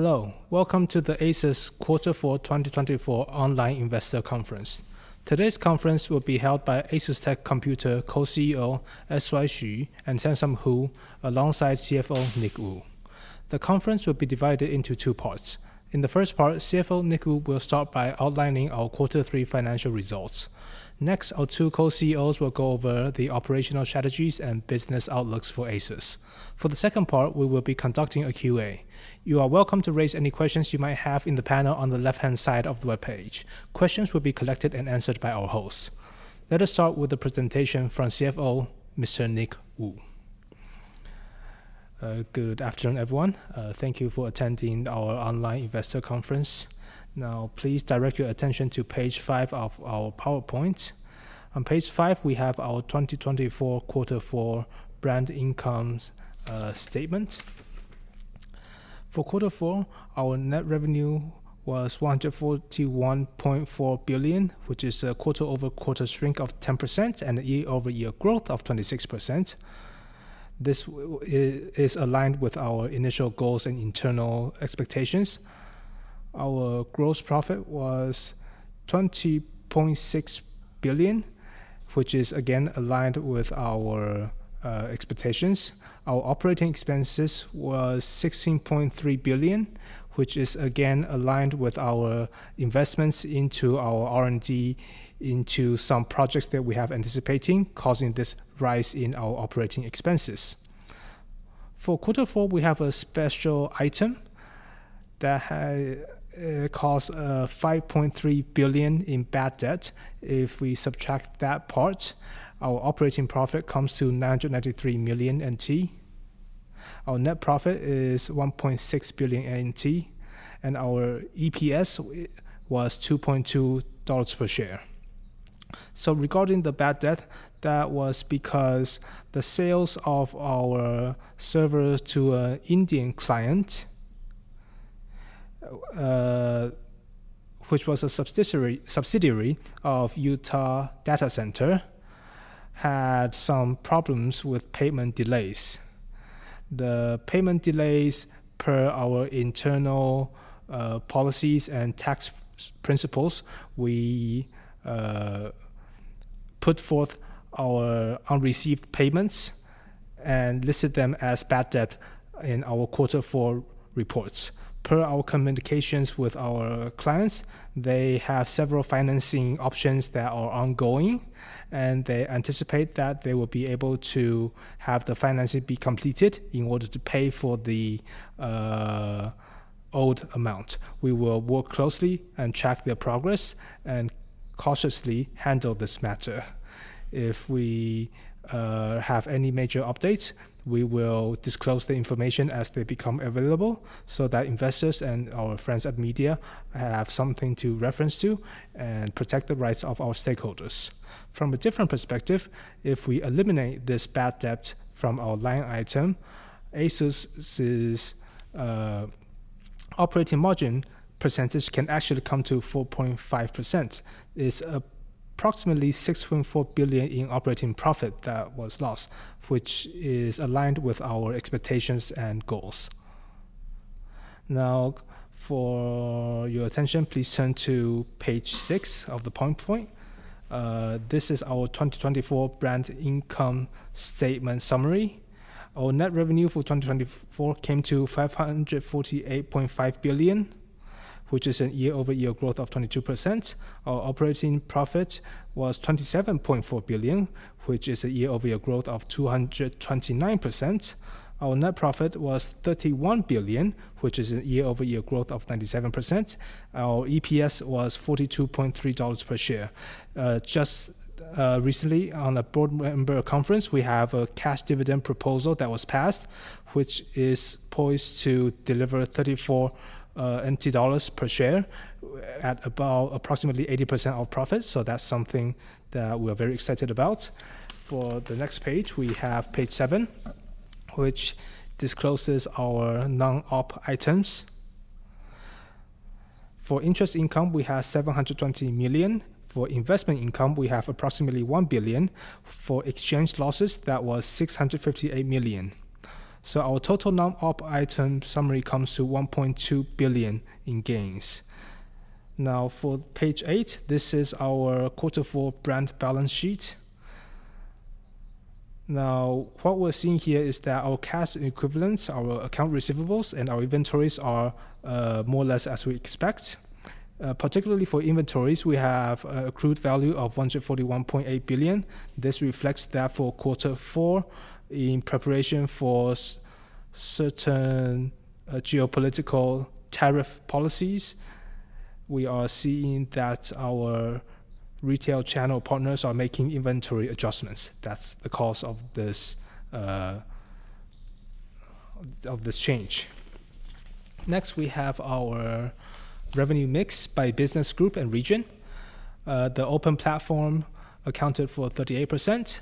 Hello, welcome to the ASUS Q4 2024 Online Investor Conference. Today's conference will be held by ASUSTeK Computer Co-CEO S.Y. Hsu and Samson Hu, alongside CFO Nick Wu. The conference will be divided into two parts. In the first part, CFO Nick Wu will start by outlining our Q3 financial results. Next, our two Co-CEOs will go over the operational strategies and business outlooks for ASUS. For the second part, we will be conducting a Q&A. You are welcome to raise any questions you might have in the panel on the left-hand side of the webpage. Questions will be collected and answered by our hosts. Let us start with the presentation from CFO Mr. Nick Wu. Good afternoon, everyone. Thank you for attending our Online Investor Conference. Now, please direct your attention to page five of our PowerPoint. On page five, we have our 2024 Q4 brand income statement. For Q4, our net revenue was 141.4 billion, which is a quarter-over-quarter shrink of 10% and a year-over-year growth of 26%. This is aligned with our initial goals and internal expectations. Our gross profit was 20.6 billion, which is again aligned with our expectations. Our operating expenses were 16.3 billion, which is again aligned with our investments into our R&D into some projects that we have anticipating, causing this rise in our operating expenses. For Q4, we have a special item that has caused 5.3 billion in bad debt. If we subtract that part, our operating profit comes to 993 million NT. Our net profit is 1.6 billion NT, and our EPS was 2.2 dollars per share. Regarding the bad debt, that was because the sales of our servers to an Indian client, which was a subsidiary of Yotta Data Services, had some problems with payment delays. The payment delays, per our internal policies and tax principles, we put forth our unreceived payments and listed them as bad debt in our Q4 reports. Per our communications with our clients, they have several financing options that are ongoing, and they anticipate that they will be able to have the financing be completed in order to pay for the owed amount. We will work closely and track their progress and cautiously handle this matter. If we have any major updates, we will disclose the information as they become available so that investors and our friends at media have something to reference to and protect the rights of our stakeholders. From a different perspective, if we eliminate this bad debt from our line item, ASUS's operating margin percentage can actually come to 4.5%. It's approximately 6.4 billion in operating profit that was lost, which is aligned with our expectations and goals. Now, for your attention, please turn to page six of the PowerPoint. This is our 2024 brand income statement summary. Our net revenue for 2024 came to 548.5 billion, which is a year-over-year growth of 22%. Our operating profit was 27.4 billion, which is a year-over-year growth of 229%. Our net profit was 31 billion, which is a year-over-year growth of 97%. Our EPS was 42.3 dollars per share. Just recently, on a board member conference, we have a cash dividend proposal that was passed, which is poised to deliver 34 dollars per share at about approximately 80% of profit. So that's something that we are very excited about. For the next page, we have page 7, which discloses our non-op items. For interest income, we have 720 million. For investment income, we have approximately one billion. For exchange losses, that was 658 million. So our total non-op item summary comes to 1.2 billion in gains. Now, for page eight, this is our Q4 brand balance sheet. Now, what we're seeing here is that our cash equivalents, our account receivables, and our inventories are more or less as we expect. Particularly for inventories, we have an accrued value of 141.8 billion. This reflects that for Q4 in preparation for certain geopolitical tariff policies. We are seeing that our retail channel partners are making inventory adjustments. That's the cause of this change. Next, we have our revenue mix by business group and region. The open platform accounted for 38%,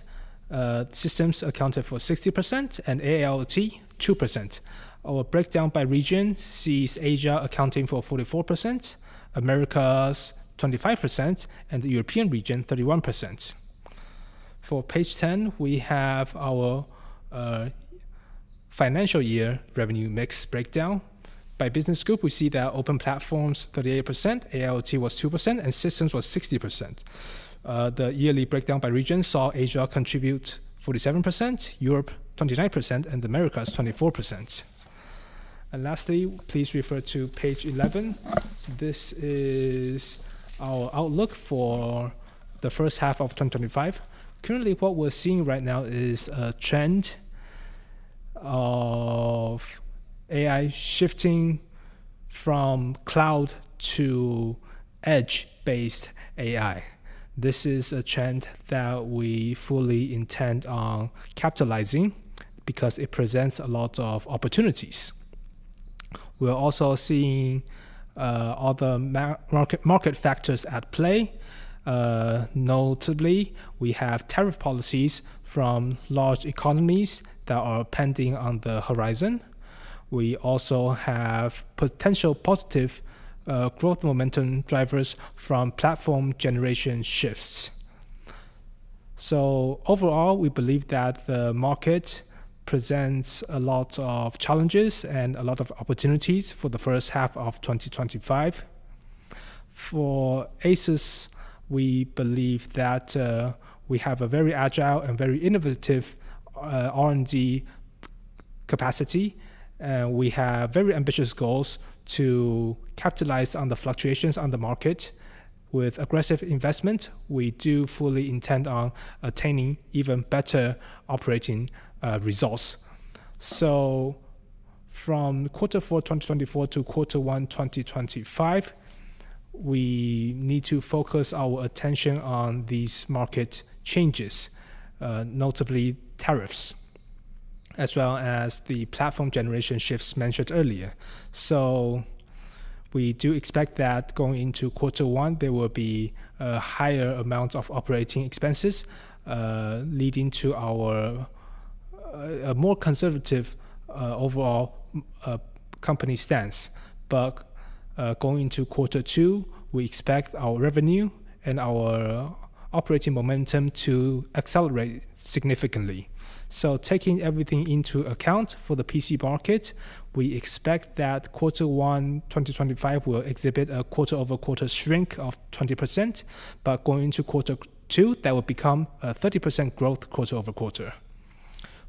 Systems accounted for 60%, and AIoT 2%. Our breakdown by region sees Asia accounting for 44%, Americas 25%, and the European region 31%. For page 10, we have our financial year revenue mix breakdown. By business group, we see that Open Platforms 38%, AIoT was 2%, and Systems was 60%. The yearly breakdown by region saw Asia contribute 47%, Europe 29%, and Americas 24%. And lastly, please refer to page 11. This is our outlook for the first half of 2025. Currently, what we're seeing right now is a trend of AI shifting from cloud to edge-based AI. This is a trend that we fully intend on capitalizing because it presents a lot of opportunities. We're also seeing other market factors at play. Notably, we have tariff policies from large economies that are pending on the horizon. We also have potential positive growth momentum drivers from platform generation shifts. So overall, we believe that the market presents a lot of challenges and a lot of opportunities for the first half of 2025. For ASUS, we believe that we have a very agile and very innovative R&D capacity, and we have very ambitious goals to capitalize on the fluctuations on the market. With aggressive investment, we do fully intend on attaining even better operating results. So from Q4 2024 to Q1 2025, we need to focus our attention on these market changes, notably tariffs, as well as the platform generation shifts mentioned earlier. So we do expect that going into Q1, there will be a higher amount of operating expenses leading to a more conservative overall company stance. But going into Q2, we expect our revenue and our operating momentum to accelerate significantly. Taking everything into account for the PC market, we expect that Q1 2025 will exhibit a quarter-over-quarter shrink of 20%. But going into Q2, that will become a 30% growth quarter-over-quarter.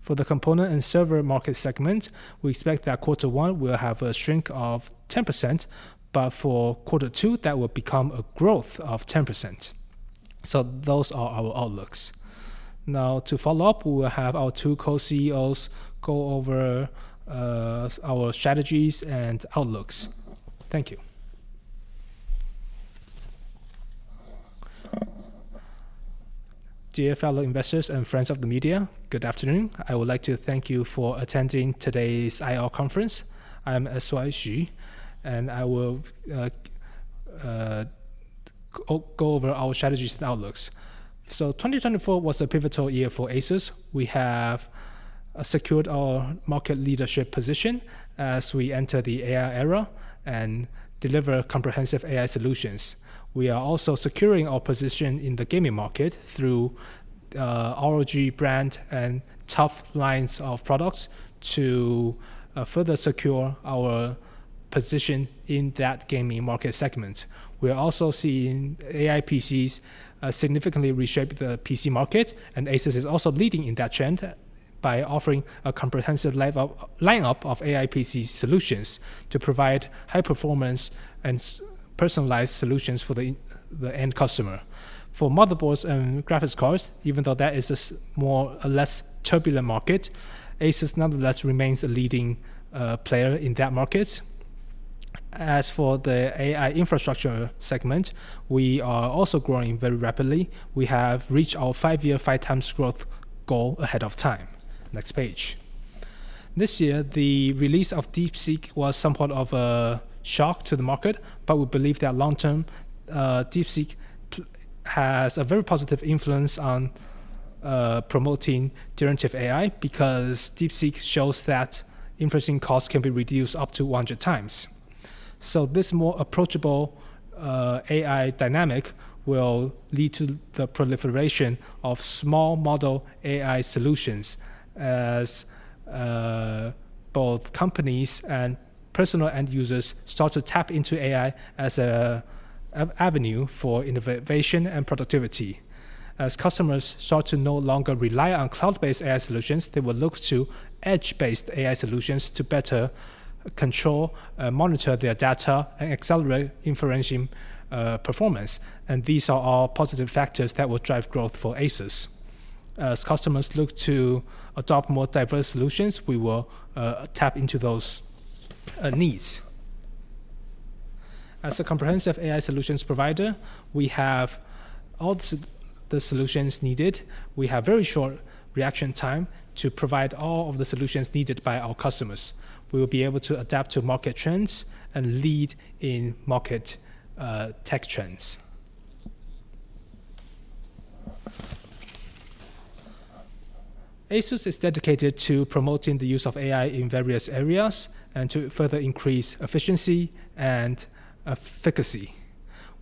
For the component and server market segment, we expect that Q1 will have a shrink of 10%. But for Q2, that will become a growth of 10%. So those are our outlooks. Now, to follow up, we will have our two Co-CEOs go over our strategies and outlooks. Thank you. Dear fellow investors and friends of the media, good afternoon. I would like to thank you for attending today's IR conference. I'm S.Y. Hsu, and I will go over our strategies and outlooks. So 2024 was a pivotal year for ASUS. We have secured our market leadership position as we enter the AI era and deliver comprehensive AI solutions. We are also securing our position in the gaming market through ROG brand and TUF Gaming lines of products to further secure our position in that gaming market segment. We are also seeing AI PCs significantly reshape the PC market, and ASUS is also leading in that trend by offering a comprehensive lineup of AI PC solutions to provide high-performance and personalized solutions for the end customer. For motherboards and graphics cards, even though that is a less turbulent market, ASUS nonetheless remains a leading player in that market. As for the AI infrastructure segment, we are also growing very rapidly. We have reached our five-year, five-times growth goal ahead of time. Next page. This year, the release of DeepSeek was somewhat of a shock to the market, but we believe that long-term DeepSeek has a very positive influence on promoting generative AI because DeepSeek shows that inferencing costs can be reduced up to 100 times. So this more approachable AI dynamic will lead to the proliferation of small model AI solutions as both companies and personal end users start to tap into AI as an avenue for innovation and productivity. As customers start to no longer rely on cloud-based AI solutions, they will look to edge-based AI solutions to better control and monitor their data and accelerate inferencing performance. And these are all positive factors that will drive growth for ASUS. As customers look to adopt more diverse solutions, we will tap into those needs. As a comprehensive AI solutions provider, we have all the solutions needed. We have very short reaction time to provide all of the solutions needed by our customers. We will be able to adapt to market trends and lead in market tech trends. ASUS is dedicated to promoting the use of AI in various areas and to further increase efficiency and efficacy.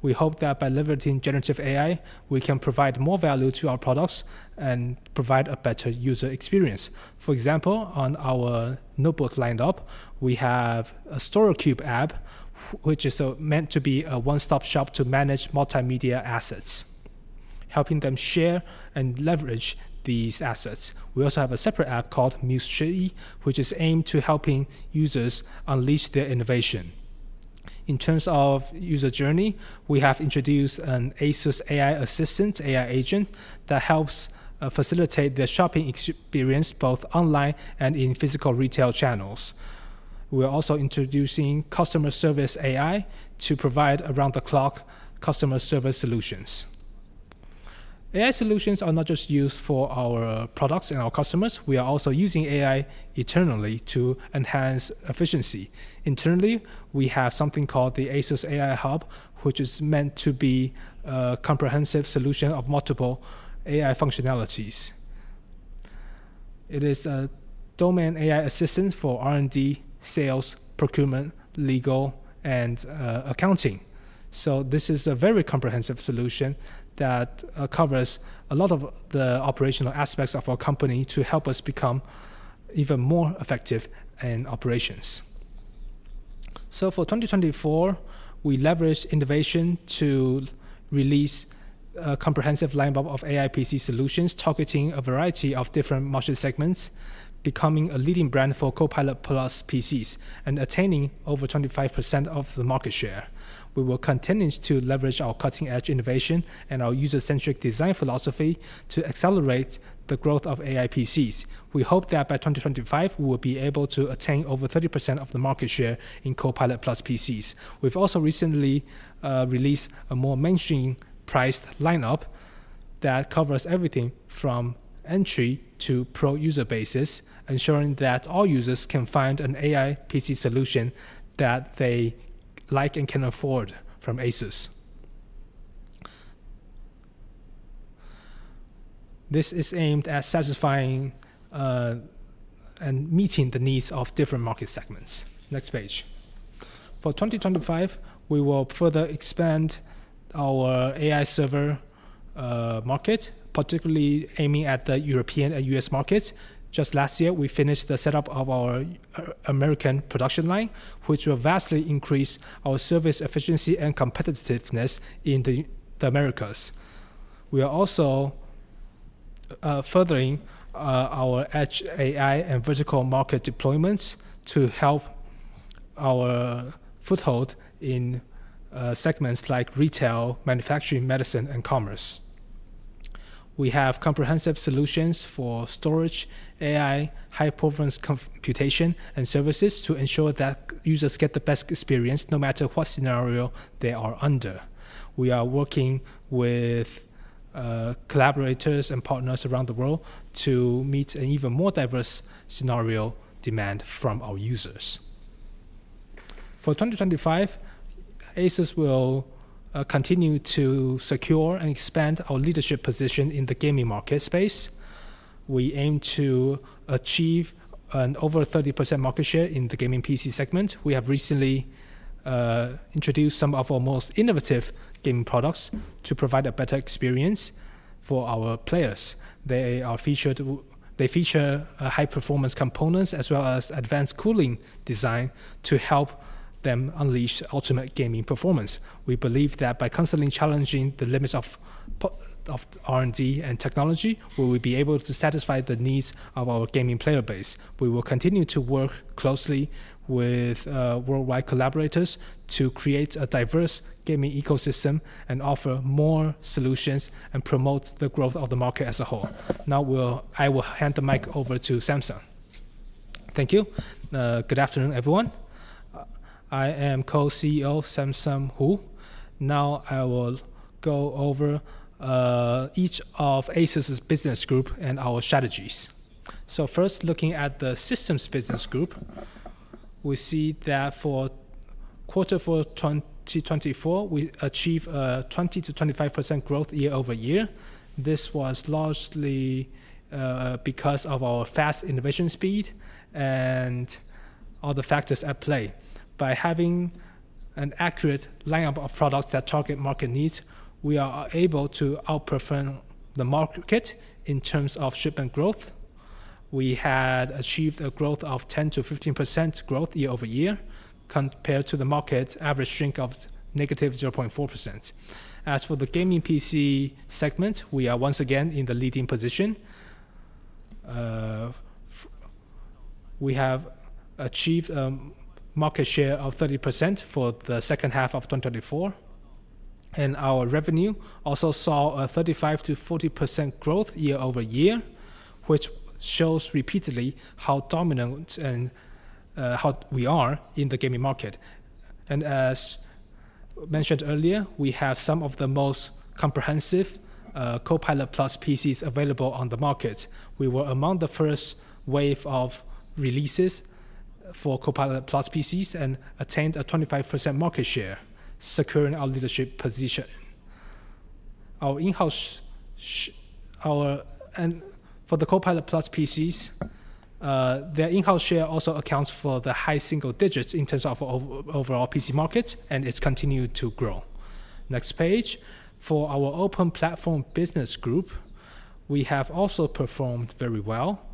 We hope that by leveraging generative AI, we can provide more value to our products and provide a better user experience. For example, on our notebook lineup, we have a StoryCube app, which is meant to be a one-stop shop to manage multimedia assets, helping them share and leverage these assets. We also have a separate app called MuseTree, which is aimed to helping users unleash their innovation. In terms of user journey, we have introduced an ASUS AI assistant, AI agent, that helps facilitate their shopping experience both online and in physical retail channels. We are also introducing customer service AI to provide around-the-clock customer service solutions. AI solutions are not just used for our products and our customers. We are also using AI internally to enhance efficiency. Internally, we have something called the ASUS AI Hub, which is meant to be a comprehensive solution of multiple AI functionalities. It is a domain AI assistant for R&D, sales, procurement, legal, and accounting. So this is a very comprehensive solution that covers a lot of the operational aspects of our company to help us become even more effective in operations. So for 2024, we leveraged innovation to release a comprehensive lineup of AI PC solutions targeting a variety of different market segments, becoming a leading brand for Copilot+ PCs and attaining over 25% of the market share. We will continue to leverage our cutting-edge innovation and our user-centric design philosophy to accelerate the growth of AI PCs. We hope that by 2025, we will be able to attain over 30% of the market share in Copilot+ PCs. We've also recently released a more mainstream-priced lineup that covers everything from entry to pro user bases, ensuring that all users can find an AI PC solution that they like and can afford from ASUS. This is aimed at satisfying and meeting the needs of different market segments. Next page. For 2025, we will further expand our AI server market, particularly aiming at the European and U.S. markets. Just last year, we finished the setup of our American production line, which will vastly increase our service efficiency and competitiveness in the Americas. We are also furthering our edge AI and vertical market deployments to help our foothold in segments like retail, manufacturing, medicine, and commerce. We have comprehensive solutions for storage, AI, high-performance computation, and services to ensure that users get the best experience no matter what scenario they are under. We are working with collaborators and partners around the world to meet an even more diverse scenario demand from our users. For 2025, ASUS will continue to secure and expand our leadership position in the gaming market space. We aim to achieve an over 30% market share in the gaming PC segment. We have recently introduced some of our most innovative gaming products to provide a better experience for our players. They feature high-performance components as well as advanced cooling design to help them unleash ultimate gaming performance. We believe that by constantly challenging the limits of R&D and technology, we will be able to satisfy the needs of our gaming player base. We will continue to work closely with worldwide collaborators to create a diverse gaming ecosystem and offer more solutions and promote the growth of the market as a whole. Now, I will hand the mic over to Samson. Thank you. Good afternoon, everyone. I am Co-CEO Samson Hu. Now, I will go over each of ASUS's business group and our strategies. So first, looking at the Systems Business Group, we see that for quarter four 2024, we achieved a 20%-25% growth year over year. This was largely because of our fast innovation speed and other factors at play. By having an accurate lineup of products that target market needs, we are able to outperform the market in terms of shipment growth. We had achieved a growth of 10%-15% year over year compared to the market average shrink of -0.4%. As for the gaming PC segment, we are once again in the leading position. We have achieved a market share of 30% for the second half of 2024. Our revenue also saw a 35%-40% growth year over year, which shows repeatedly how dominant and how we are in the gaming market. As mentioned earlier, we have some of the most comprehensive Copilot+ PCs available on the market. We were among the first wave of releases for Copilot+ PCs and attained a 25% market share, securing our leadership position. For the Copilot+ PCs, their in-house share also accounts for the high single digits in terms of overall PC market, and it's continued to grow. Next page. For our Open Platform Business Group, we have also performed very well.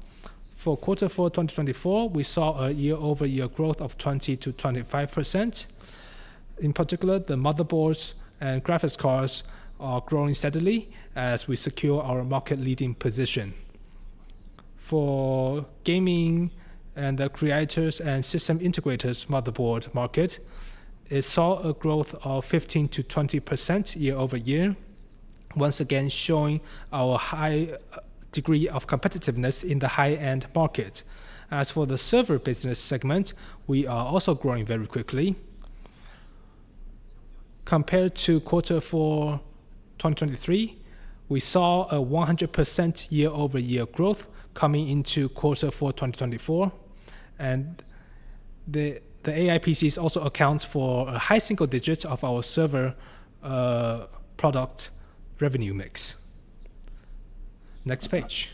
For quarter four 2024, we saw a year-over-year growth of 20%-25%. In particular, the motherboards and graphics cards are growing steadily as we secure our market-leading position. For gaming and the creators and system integrators motherboard market, it saw a growth of 15%-20% year over year, once again showing our high degree of competitiveness in the high-end market. As for the server business segment, we are also growing very quickly. Compared to quarter four 2023, we saw a 100% year-over-year growth coming into quarter four 2024. And the AI PCs also account for a high single digit of our server product revenue mix. Next page.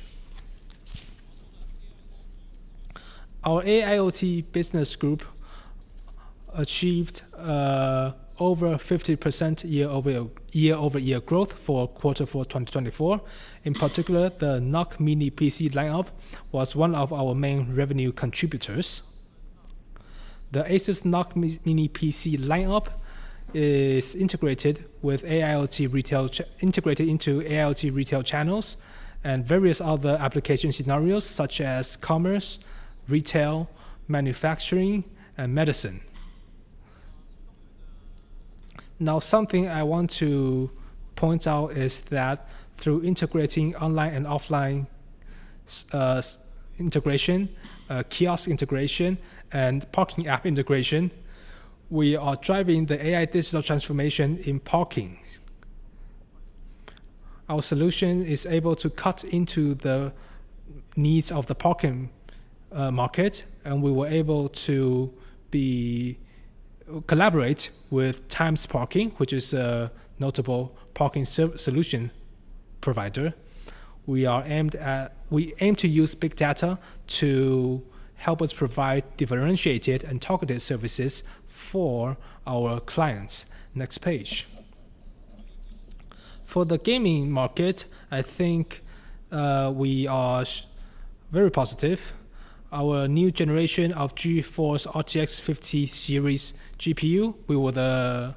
Our AIoT Business Group achieved over 50% year-over-year growth for quarter four 2024. In particular, the NUC Mini PC lineup was one of our main revenue contributors. The ASUS NUC Mini PC lineup is integrated with AIoT retail channels and various other application scenarios such as commerce, retail, manufacturing, and medicine. Now, something I want to point out is that through integrating online and offline integration, kiosk integration, and parking app integration, we are driving the AI digital transformation in parking. Our solution is able to cut into the needs of the parking market, and we were able to collaborate with Times Parking, which is a notable parking solution provider. We aim to use big data to help us provide differentiated and targeted services for our clients. Next page. For the gaming market, I think we are very positive. Our new generation of GeForce RTX 50 Series GPU, we were the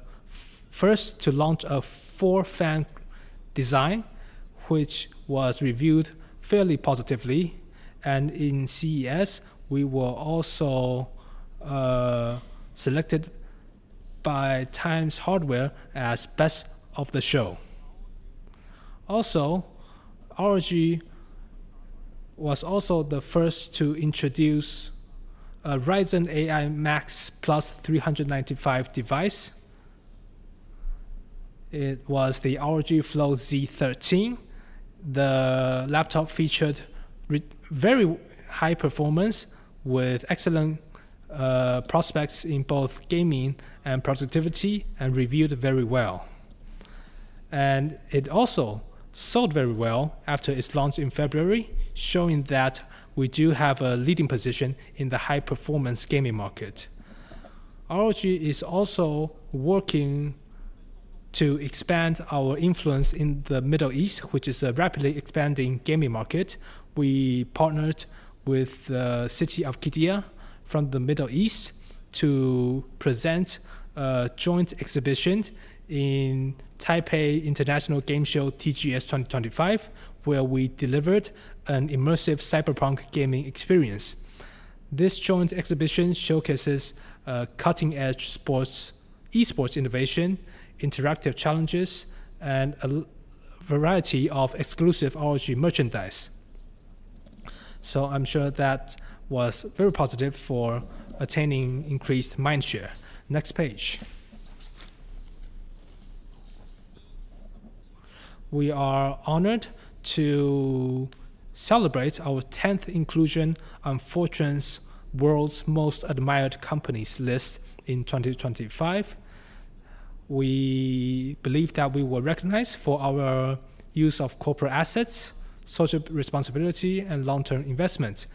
first to launch a four-fan design, which was reviewed fairly positively, and in CES, we were also selected by Tom's Hardware as Best of Show. Also, ROG was also the first to introduce a Ryzen AI Max+ 395 device. It was the ROG Flow Z13. The laptop featured very high performance with excellent prospects in both gaming and productivity and reviewed very well. And it also sold very well after its launch in February, showing that we do have a leading position in the high-performance gaming market. ROG is also working to expand our influence in the Middle East, which is a rapidly expanding gaming market. We partnered with the city of Qiddiya from the Middle East to present a joint exhibition in Taipei International Game Show TGS 2025, where we delivered an immersive cyberpunk gaming experience. This joint exhibition showcases cutting-edge eSports innovation, interactive challenges, and a variety of exclusive ROG merchandise. So I'm sure that was very positive for attaining increased mind share. Next page. We are honored to celebrate our 10th inclusion on Fortune's World's Most Admired Companies list in 2025. We believe that we were recognized for our use of corporate assets, social responsibility, and long-term investment,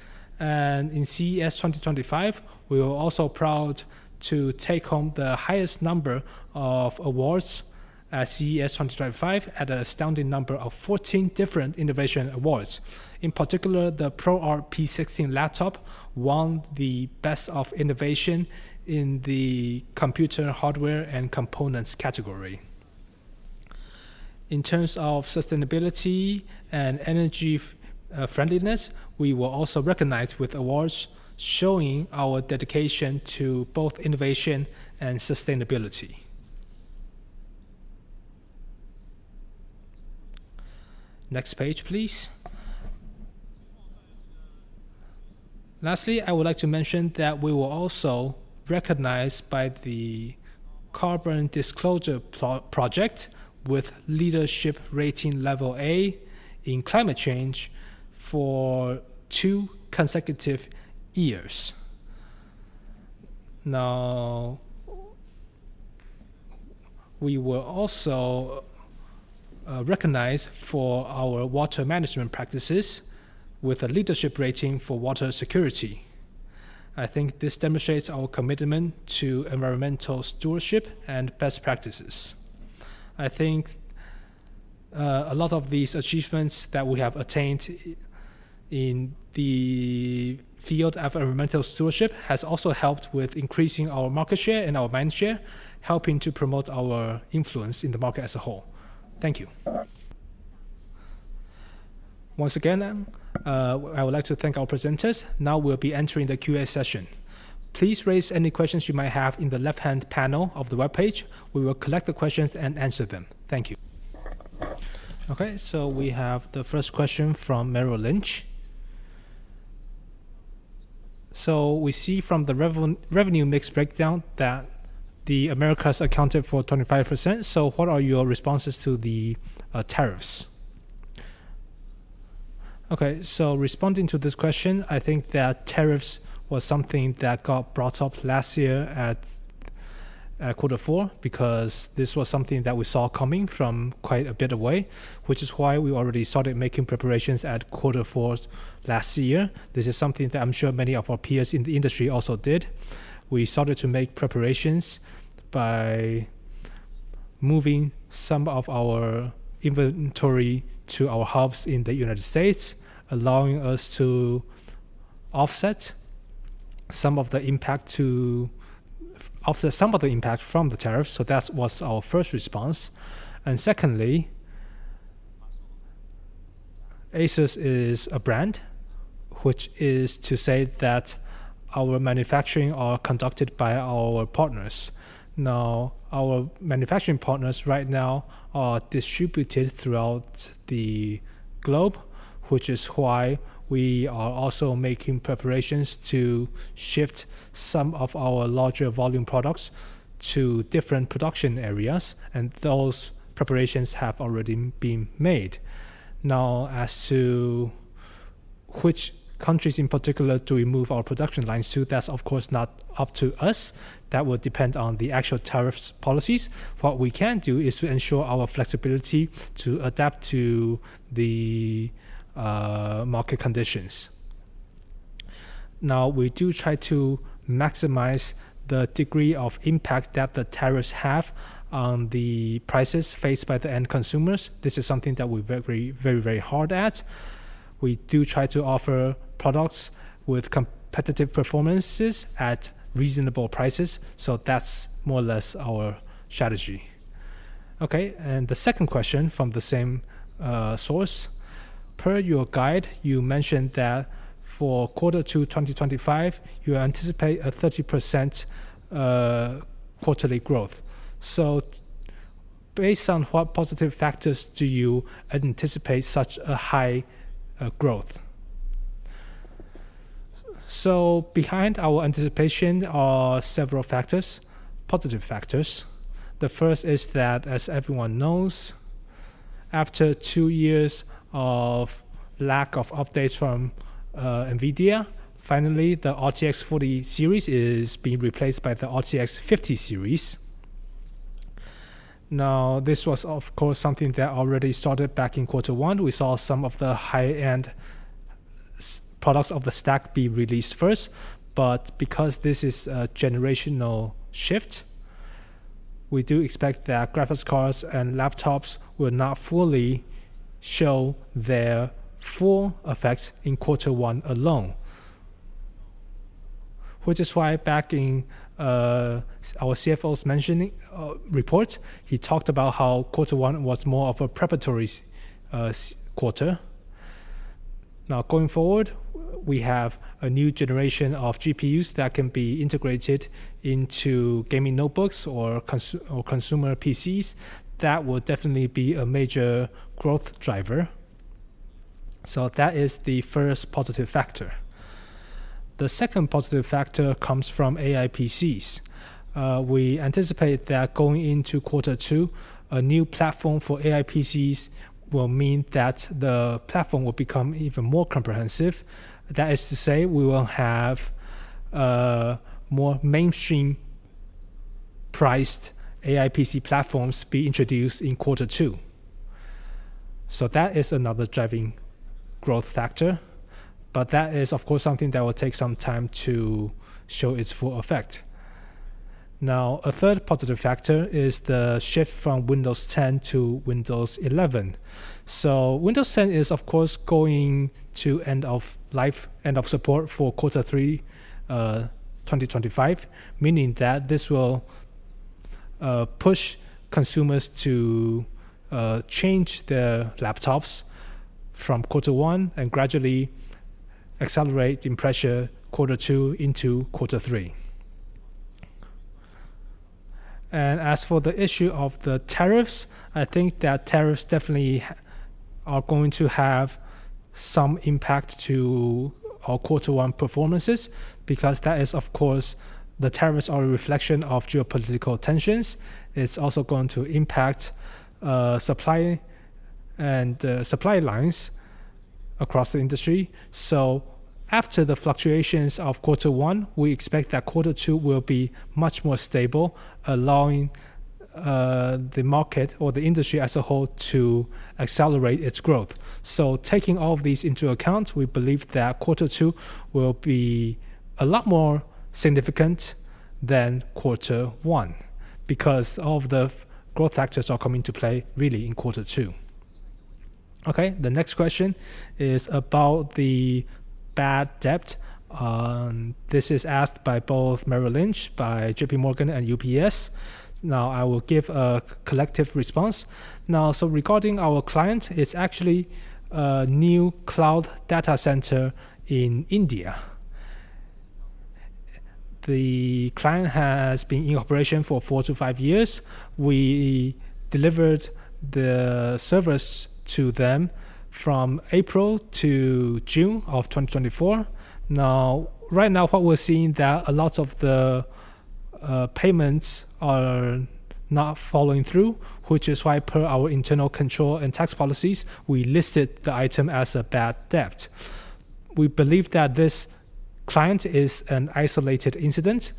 and in CES 2025, we were also proud to take home the highest number of awards at CES 2025 at an astounding number of 14 different innovation awards. In particular, the ProArt P16 laptop won the best of innovation in the computer hardware and components category. In terms of sustainability and energy friendliness, we were also recognized with awards showing our dedication to both innovation and sustainability. Next page, please. Lastly, I would like to mention that we were also recognized by the Carbon Disclosure Project with leadership rating level A in climate change for two consecutive years. Now, we were also recognized for our water management practices with a leadership rating for water security. I think this demonstrates our commitment to environmental stewardship and best practices. I think a lot of these achievements that we have attained in the field of environmental stewardship has also helped with increasing our market share and our mind share, helping to promote our influence in the market as a whole. Thank you. Once again, I would like to thank our presenters. Now we'll be entering the Q&A session. Please raise any questions you might have in the left-hand panel of the web page. We will collect the questions and answer them. Thank you. Okay, so we have the first question from Merrill Lynch. So we see from the revenue mix breakdown that the Americas accounted for 25%. So what are your responses to the tariffs? Okay, so responding to this question, I think that tariffs were something that got brought up last year at quarter four because this was something that we saw coming from quite a bit away, which is why we already started making preparations at quarter four last year. This is something that I'm sure many of our peers in the industry also did. We started to make preparations by moving some of our inventory to our hubs in the United States, allowing us to offset some of the impact from the tariffs. So that was our first response. And secondly, ASUS is a brand, which is to say that our manufacturing is conducted by our partners. Now, our manufacturing partners right now are distributed throughout the globe, which is why we are also making preparations to shift some of our larger volume products to different production areas, and those preparations have already been made. Now, as to which countries in particular do we move our production lines to, that's of course not up to us. That will depend on the actual tariff policies. What we can do is to ensure our flexibility to adapt to the market conditions. Now, we do try to maximize the degree of impact that the tariffs have on the prices faced by the end consumers. This is something that we're very, very, very hard at. We do try to offer products with competitive performances at reasonable prices. So that's more or less our strategy. Okay, and the second question from the same source. Per your guide, you mentioned that for quarter two 2025, you anticipate a 30% quarterly growth. So based on what positive factors do you anticipate such a high growth? So behind our anticipation are several factors, positive factors. The first is that, as everyone knows, after two years of lack of updates from NVIDIA, finally, the RTX 40 series is being replaced by the RTX 50 series. Now, this was, of course, something that already started back in quarter one. We saw some of the high-end products of the stack be released first. But because this is a generational shift, we do expect that graphics cards and laptops will not fully show their full effects in quarter one alone, which is why back in our CFO's report, he talked about how quarter one was more of a preparatory quarter. Now, going forward, we have a new generation of GPUs that can be integrated into gaming notebooks or consumer PCs. That will definitely be a major growth driver. So that is the first positive factor. The second positive factor comes from AI PCs. We anticipate that going into quarter two, a new platform for AI PCs will mean that the platform will become even more comprehensive. That is to say, we will have more mainstream-priced AI PC platforms be introduced in quarter two. So that is another driving growth factor. But that is, of course, something that will take some time to show its full effect. Now, a third positive factor is the shift from Windows 10 to Windows 11. So, Windows 10 is, of course, going to end of support for quarter three 2025, meaning that this will push consumers to change their laptops from quarter one and gradually accelerate in pressure quarter two into quarter three. And as for the issue of the tariffs, I think that tariffs definitely are going to have some impact on quarter one performances because that is, of course, the tariffs are a reflection of geopolitical tensions. It's also going to impact supply and supply lines across the industry. So after the fluctuations of quarter one, we expect that quarter two will be much more stable, allowing the market or the industry as a whole to accelerate its growth. So taking all of these into account, we believe that quarter two will be a lot more significant than quarter one because all of the growth factors are coming into play really in quarter two. Okay, the next question is about the bad debt. This is asked by both Merrill Lynch, by JP Morgan, and UBS. Now, I will give a collective response. Now, so regarding our client, it's actually a new cloud data center in India. The client has been in operation for four to five years. We delivered the service to them from April to June of 2024. Now, right now, what we're seeing is that a lot of the payments are not following through, which is why per our internal control and tax policies, we listed the item as a bad debt. We believe that this client is an isolated incident.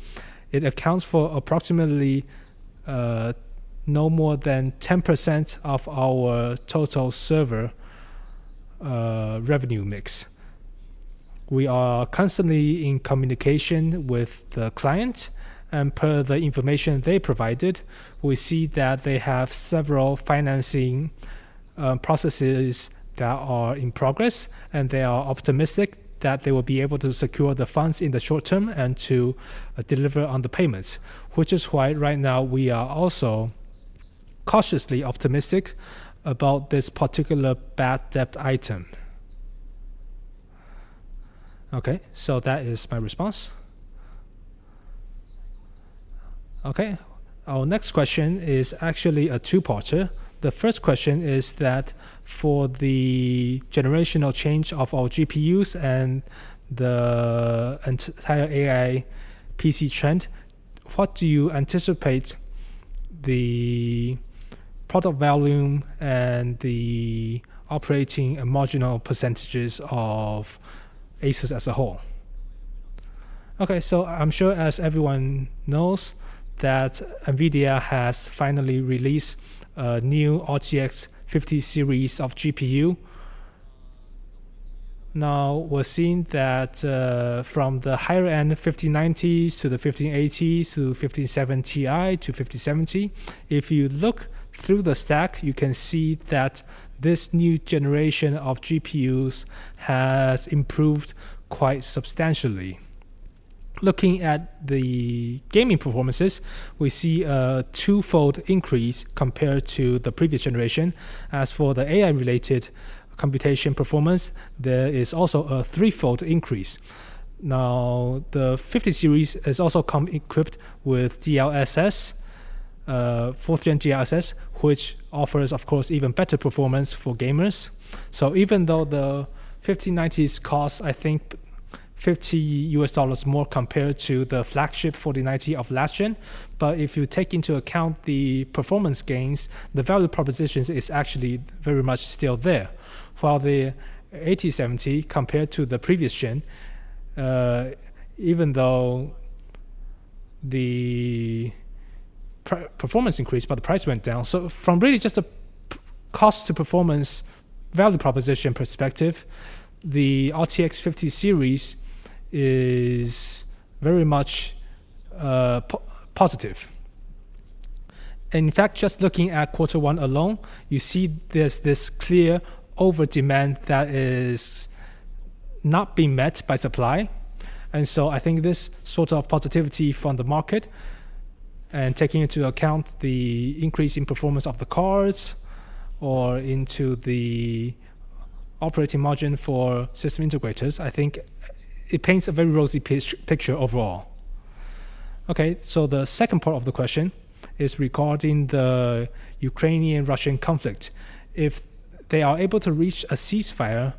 It accounts for approximately no more than 10% of our total server revenue mix. We are constantly in communication with the client, and per the information they provided, we see that they have several financing processes that are in progress, and they are optimistic that they will be able to secure the funds in the short term and to deliver on the payments, which is why right now we are also cautiously optimistic about this particular bad debt item. Okay, so that is my response. Okay, our next question is actually a two-parter. The first question is that for the generational change of our GPUs and the entire AI PC trend, what do you anticipate the product volume and the operating and marginal percentages of ASUS as a whole? Okay, so I'm sure as everyone knows that NVIDIA has finally released a new RTX 50 series of GPU. Now, we're seeing that from the higher-end 5090s to the 5080s to 5070 Ti to 5070, if you look through the stack, you can see that this new generation of GPUs has improved quite substantially. Looking at the gaming performances, we see a twofold increase compared to the previous generation. As for the AI-related computation performance, there is also a threefold increase. Now, the 50 series has also come equipped with DLSS, 4th-gen DLSS, which offers, of course, even better performance for gamers. So even though the 5090s cost, I think, $50 more compared to the flagship 4090 of last gen, but if you take into account the performance gains, the value proposition is actually very much still there. While the 5070, compared to the previous gen, even though the performance increased, but the price went down. So from really just a cost-to-performance value proposition perspective, the RTX 50 series is very much positive. In fact, just looking at quarter one alone, you see there's this clear over-demand that is not being met by supply. And so I think this sort of positivity from the market and taking into account the increase in performance of the cards or into the operating margin for system integrators, I think it paints a very rosy picture overall. Okay, so the second part of the question is regarding the Ukrainian-Russian conflict. If they are able to reach a ceasefire,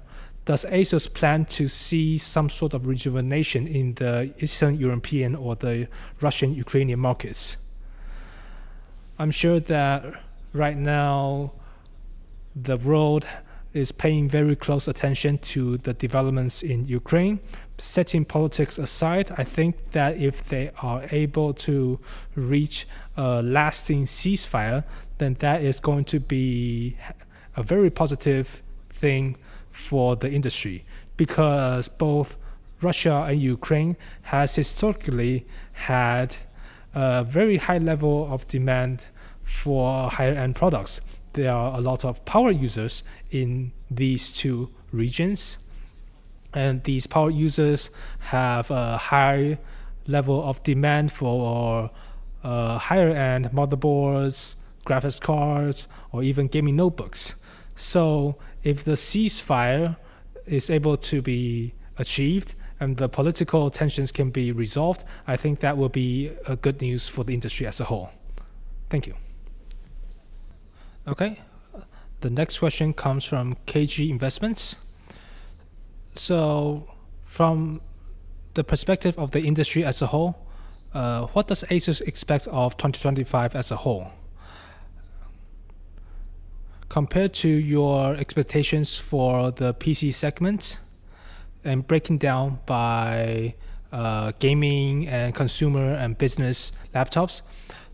does ASUS plan to see some sort of rejuvenation in the Eastern European or the Russian-Ukrainian markets? I'm sure that right now the world is paying very close attention to the developments in Ukraine. Setting politics aside, I think that if they are able to reach a lasting ceasefire, then that is going to be a very positive thing for the industry because both Russia and Ukraine have historically had a very high level of demand for higher-end products. There are a lot of power users in these two regions, and these power users have a high level of demand for higher-end motherboards, graphics cards, or even gaming notebooks. So if the ceasefire is able to be achieved and the political tensions can be resolved, I think that will be good news for the industry as a whole. Thank you. Okay, the next question comes from KGI Securities. So from the perspective of the industry as a whole, what does ASUS expect of 2025 as a whole? Compared to your expectations for the PC segment and breaking down by gaming and consumer and business laptops,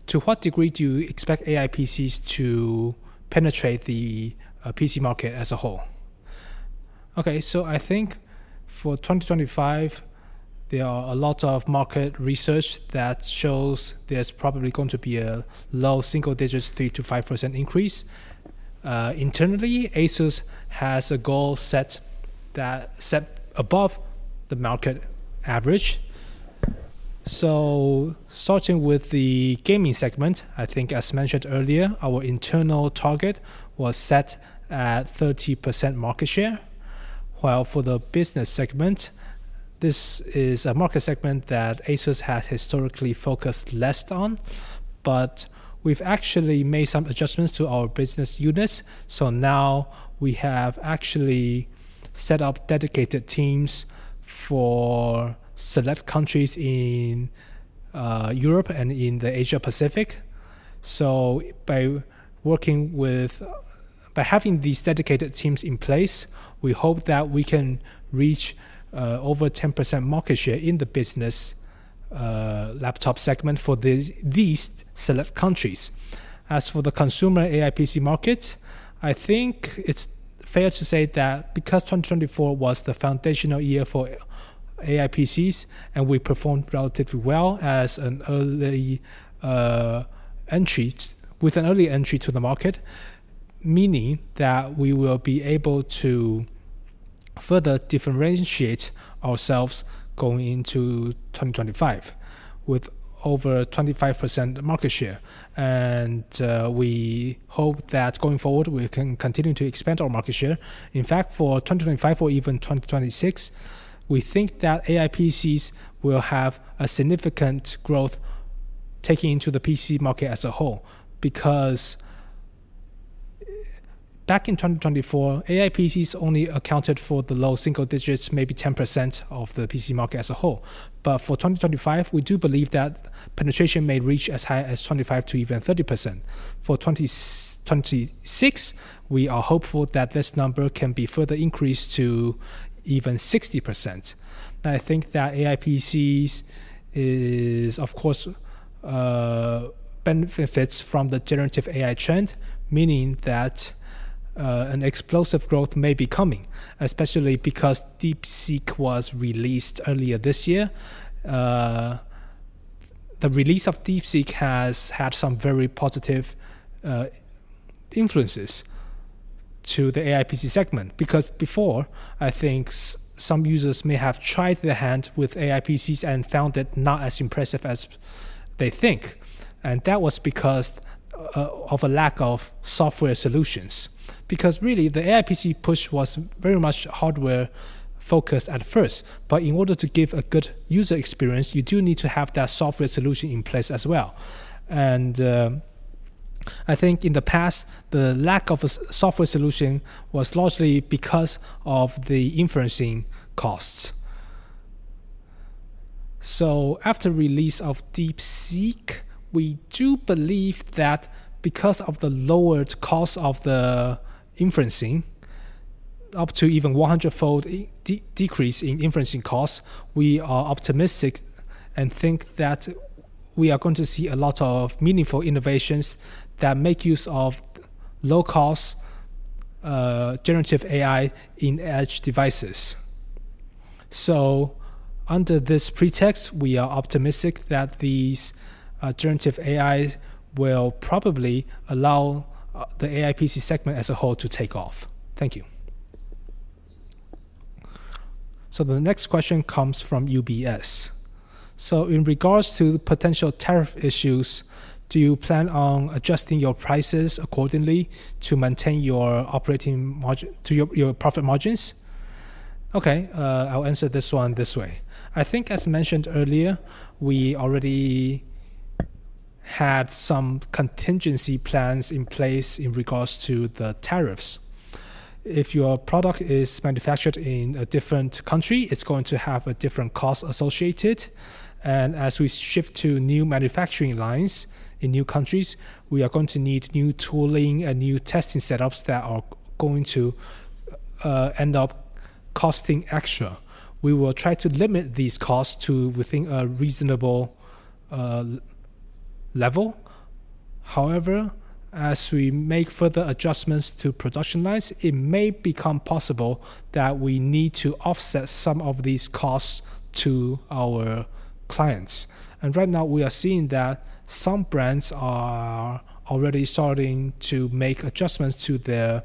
to what degree do you expect AI PCs to penetrate the PC market as a whole? Okay, so I think for 2025, there are a lot of market research that shows there's probably going to be a low single-digit 3%-5% increase. Internally, ASUS has a goal set above the market average. So starting with the gaming segment, I think, as mentioned earlier, our internal target was set at 30% market share. While for the business segment, this is a market segment that ASUS has historically focused less on, but we've actually made some adjustments to our business units. So now we have actually set up dedicated teams for select countries in Europe and in the Asia-Pacific. By having these dedicated teams in place, we hope that we can reach over 10% market share in the business laptop segment for these select countries. As for the consumer AI PC market, I think it's fair to say that because 2024 was the foundational year for AI PCs and we performed relatively well as an early entry with an early entry to the market, meaning that we will be able to further differentiate ourselves going into 2025 with over 25% market share. We hope that going forward, we can continue to expand our market share. In fact, for 2025 or even 2026, we think that AI PCs will have a significant growth taking into the PC market as a whole because back in 2024, AI PCs only accounted for the low single digits, maybe 10% of the PC market as a whole. But for 2025, we do believe that penetration may reach as high as 25%-30%. For 2026, we are hopeful that this number can be further increased to even 60%. I think that AI PCs is, of course, benefits from the generative AI trend, meaning that an explosive growth may be coming, especially because DeepSeek was released earlier this year. The release of DeepSeek has had some very positive influences to the AI PC segment because before, I think some users may have tried their hand with AI PCs and found it not as impressive as they think. And that was because of a lack of software solutions because really the AI PC push was very much hardware-focused at first. But in order to give a good user experience, you do need to have that software solution in place as well. I think in the past, the lack of a software solution was largely because of the inferencing costs. So after release of DeepSeek, we do believe that because of the lowered cost of the inferencing, up to even 100-fold decrease in inferencing costs, we are optimistic and think that we are going to see a lot of meaningful innovations that make use of low-cost generative AI in edge devices. So under this pretext, we are optimistic that these generative AIs will probably allow the AI PC segment as a whole to take off. Thank you. So the next question comes from UBS. So in regards to potential tariff issues, do you plan on adjusting your prices accordingly to maintain your profit margins? Okay, I'll answer this one this way. I think, as mentioned earlier, we already had some contingency plans in place in regards to the tariffs. If your product is manufactured in a different country, it's going to have a different cost associated. And as we shift to new manufacturing lines in new countries, we are going to need new tooling and new testing setups that are going to end up costing extra. We will try to limit these costs to within a reasonable level. However, as we make further adjustments to production lines, it may become possible that we need to offset some of these costs to our clients. And right now, we are seeing that some brands are already starting to make adjustments to their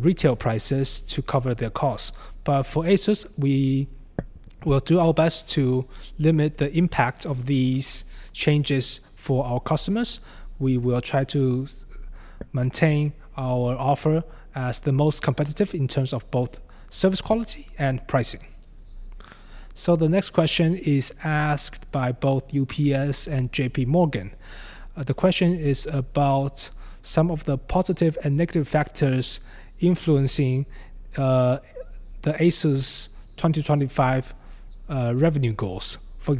retail prices to cover their costs. But for ASUS, we will do our best to limit the impact of these changes for our customers. We will try to maintain our offer as the most competitive in terms of both service quality and pricing. The next question is asked by both UBS and JP Morgan. The question is about some of the positive and negative factors influencing the ASUS 2025 revenue goals. For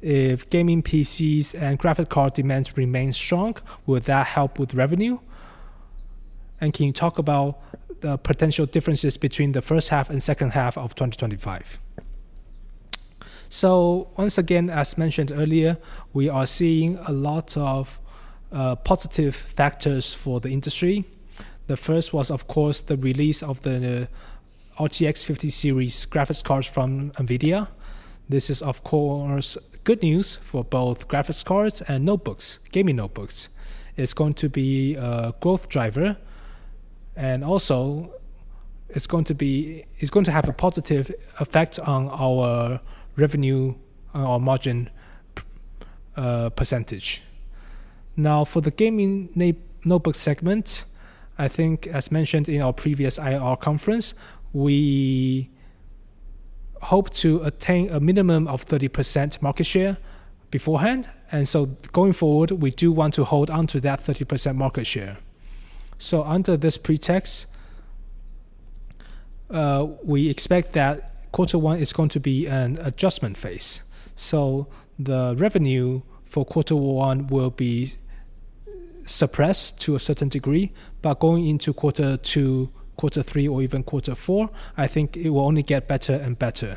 example, if gaming PCs and graphics card demands remain strong, will that help with revenue? And can you talk about the potential differences between the first half and second half of 2025? Once again, as mentioned earlier, we are seeing a lot of positive factors for the industry. The first was, of course, the release of the RTX 50 series graphics cards from NVIDIA. This is, of course, good news for both graphics cards and notebooks, gaming notebooks. It is going to be a growth driver. And also, it is going to have a positive effect on our revenue or margin percentage. Now, for the gaming notebook segment, I think, as mentioned in our previous IR conference, we hope to attain a minimum of 30% market share beforehand. And so going forward, we do want to hold on to that 30% market share. So under this pretext, we expect that quarter one is going to be an adjustment phase. So the revenue for quarter one will be suppressed to a certain degree, but going into quarter two, quarter three, or even quarter four, I think it will only get better and better.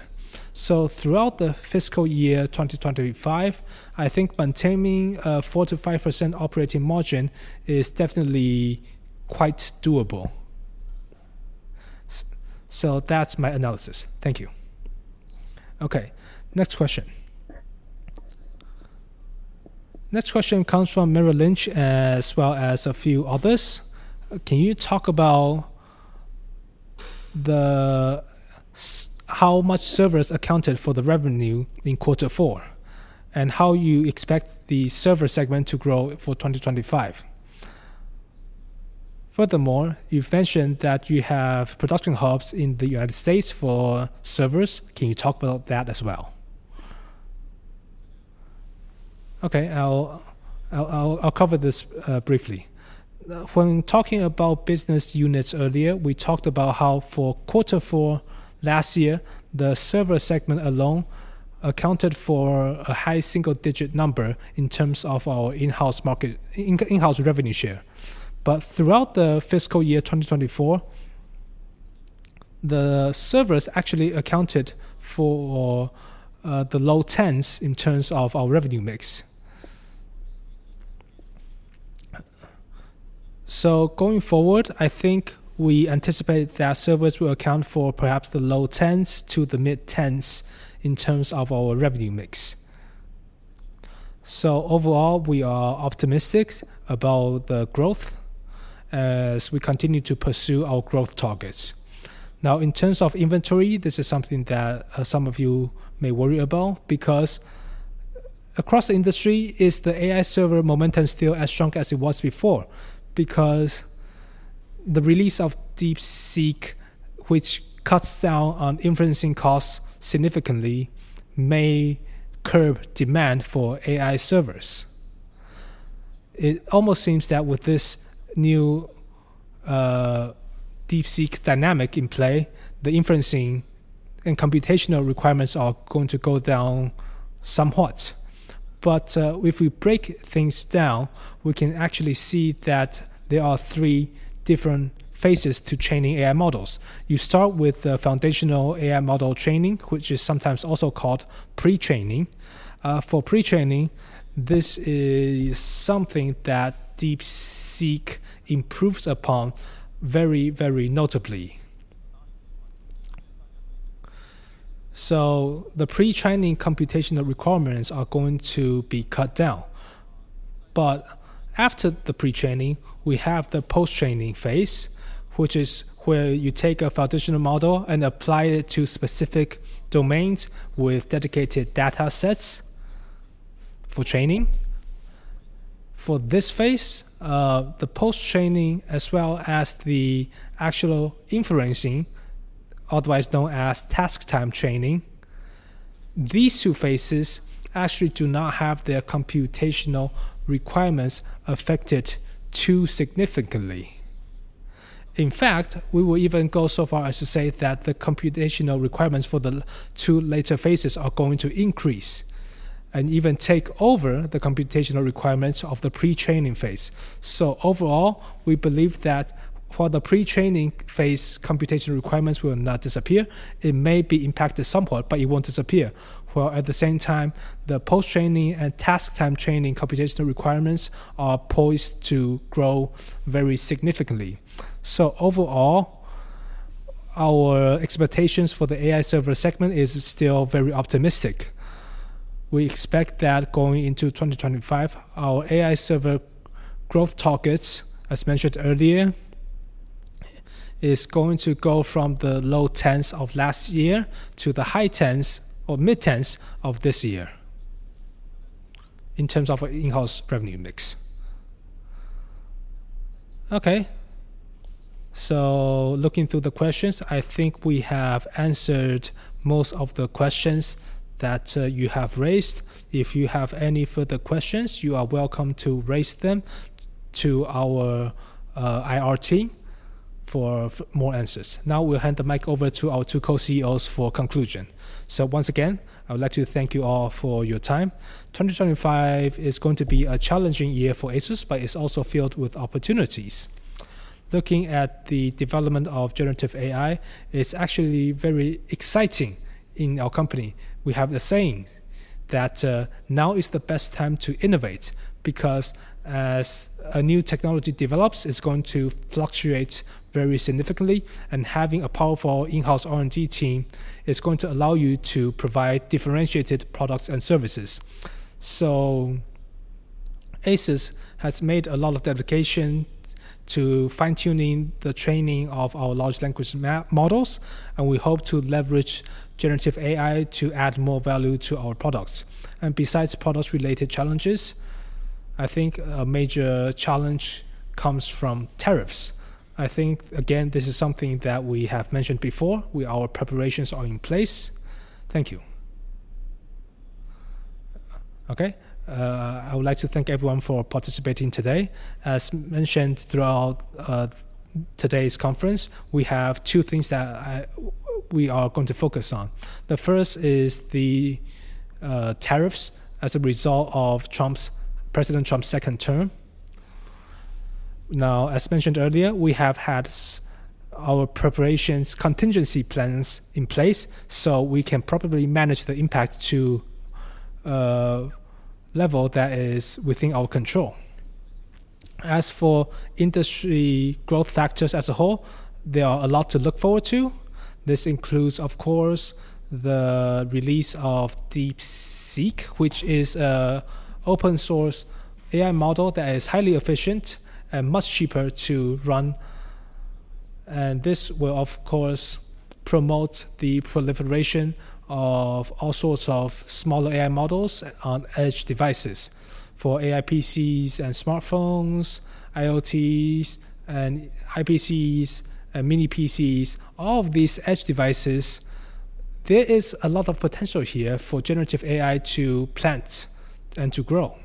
So throughout the fiscal year 2025, I think maintaining a 4%-5% operating margin is definitely quite doable. So that's my analysis. Thank you. Okay, next question. Next question comes from Merrill Lynch as well as a few others. Can you talk about how much servers accounted for the revenue in quarter four and how you expect the server segment to grow for 2025? Furthermore, you've mentioned that you have production hubs in the United States for servers. Can you talk about that as well? Okay, I'll cover this briefly. When talking about business units earlier, we talked about how for quarter four last year, the server segment alone accounted for a high single-digit number in terms of our in-house revenue share. But throughout the fiscal year 2024, the servers actually accounted for the low 10s in terms of our revenue mix. Going forward, I think we anticipate that servers will account for perhaps the low 10s to the mid 10s in terms of our revenue mix. Overall, we are optimistic about the growth as we continue to pursue our growth targets. Now, in terms of inventory, this is something that some of you may worry about because across the industry, is the AI server momentum still as strong as it was before? Because the release of DeepSeek, which cuts down on inferencing costs significantly, may curb demand for AI servers. It almost seems that with this new DeepSeek dynamic in play, the inferencing and computational requirements are going to go down somewhat. But if we break things down, we can actually see that there are three different phases to training AI models. You start with the foundational AI model training, which is sometimes also called pre-training. For pre-training, this is something that DeepSeek improves upon very, very notably. So the pre-training computational requirements are going to be cut down. but after the pre-training, we have the post-training phase, which is where you take a foundational model and apply it to specific domains with dedicated data sets for training. For this phase, the post-training as well as the actual inferencing, otherwise known as test-time training, these two phases actually do not have their computational requirements affected too significantly. In fact, we will even go so far as to say that the computational requirements for the two later phases are going to increase and even take over the computational requirements of the pre-training phase. so overall, we believe that for the pre-training phase, computational requirements will not disappear. It may be impacted somewhat, but it won't disappear. While at the same time, the post-training and test-time training computational requirements are poised to grow very significantly. so overall, our expectations for the AI server segment are still very optimistic. We expect that going into 2025, our AI server growth targets, as mentioned earlier, are going to go from the low 10s of last year to the high 10s or mid 10s of this year in terms of in-house revenue mix. Okay, so looking through the questions, I think we have answered most of the questions that you have raised. If you have any further questions, you are welcome to raise them to our IR team for more answers. Now we'll hand the mic over to our two Co-CEOs for conclusion. So once again, I would like to thank you all for your time. 2025 is going to be a challenging year for ASUS, but it's also filled with opportunities. Looking at the development of generative AI, it's actually very exciting in our company. We have the saying that now is the best time to innovate because as a new technology develops, it's going to fluctuate very significantly. And having a powerful in-house R&D team is going to allow you to provide differentiated products and services. So ASUS has made a lot of dedication to fine-tuning the training of our large language models, and we hope to leverage generative AI to add more value to our products. And besides product-related challenges, I think a major challenge comes from tariffs. I think, again, this is something that we have mentioned before. Our preparations are in place. Thank you. Okay, I would like to thank everyone for participating today. As mentioned throughout today's conference, we have two things that we are going to focus on. The first is the tariffs as a result of President Trump's second term. Now, as mentioned earlier, we have had our preparations, contingency plans in place so we can probably manage the impact to a level that is within our control. As for industry growth factors as a whole, there are a lot to look forward to. This includes, of course, the release of DeepSeek, which is an open-source AI model that is highly efficient and much cheaper to run, and this will, of course, promote the proliferation of all sorts of smaller AI models on edge devices. For AI PCs and smartphones, IoTs, and IPCs, and mini PCs, all of these edge devices, there is a lot of potential here for generative AI to plant and to grow.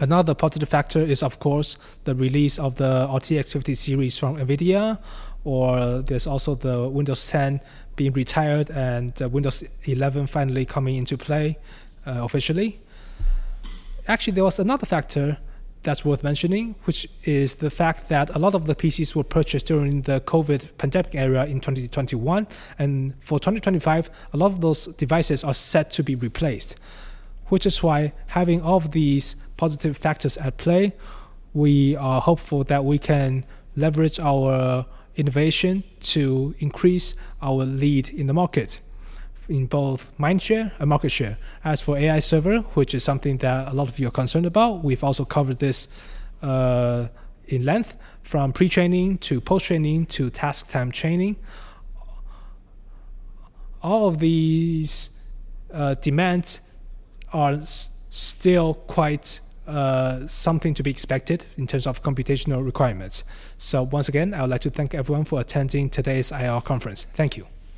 Another positive factor is, of course, the release of the RTX 50 series from NVIDIA, or there's also the Windows 10 being retired and Windows 11 finally coming into play officially. Actually, there was another factor that's worth mentioning, which is the fact that a lot of the PCs were purchased during the COVID pandemic era in 2021, and for 2025, a lot of those devices are set to be replaced, which is why having all of these positive factors at play, we are hopeful that we can leverage our innovation to increase our lead in the market in both mind share and market share. As for AI Server, which is something that a lot of you are concerned about, we've also covered this in length from pre-training to post-training to test-time training. All of these demands are still quite something to be expected in terms of computational requirements, so once again, I would like to thank everyone for attending today's IR conference. Thank you.